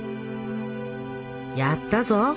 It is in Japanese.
「やったぞ！